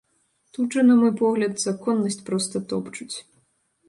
Тут жа, на мой погляд, законнасць проста топчуць.